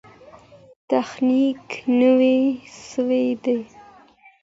تخنیک نوی سوی دی.